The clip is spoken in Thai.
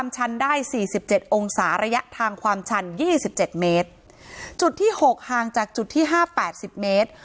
จุดที่๖ห่างจากจุดที่๕๘๐เมตร